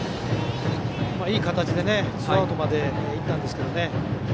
いい形でツーアウトまでいったんですが。